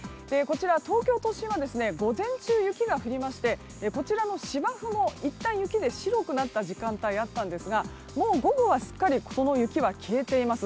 東京都心は午前中、雪が降りましてこちらの芝生もいったん雪で白くなった時間帯がありましたがもう午後はすっかりその雪は消えています。